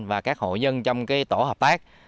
và các hộ dân trong tổ hợp tác